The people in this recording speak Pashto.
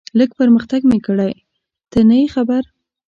لږ پرمختګ مې کړی، ته نه یې خبر.